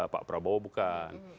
pak prabowo bukan